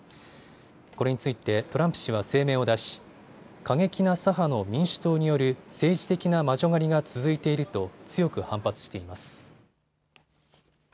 これについてトランプ氏は声明を出し過激な左派の民主党による政治的な魔女狩りが続いていると強く反発しています。